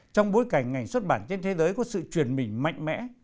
trong bối cảnh ngành xuất bản trên thế giới có sự truyền mình mạnh mẽ